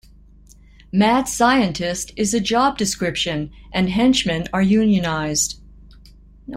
"Mad scientist" is a job description, and henchmen are unionized.